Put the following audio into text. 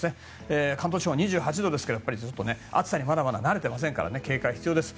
関東地方は２８度ですけど暑さにまだまだ慣れていませんから警戒が必要です。